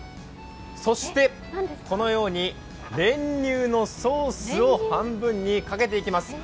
そしてこのように練乳のソースを半分にかけていきます。